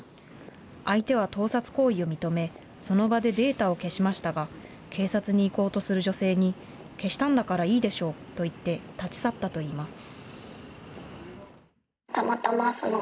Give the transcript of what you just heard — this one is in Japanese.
相手は盗撮行為を認めその場でデータを消しましたが警察に行こうとする女性に消したんだからいいでしょうと言って立ち去ったといいます。